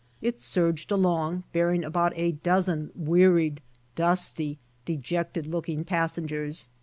It surged along bearing about a dozen wearied, dusty, dejected looking passengers.